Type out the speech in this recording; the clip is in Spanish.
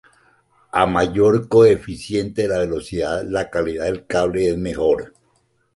A mayor coeficiente de velocidad, la calidad del cable es mejor.